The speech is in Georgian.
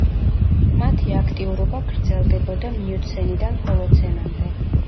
მათი აქტიურობა გრძელდებოდა მიოცენიდან ჰოლოცენამდე.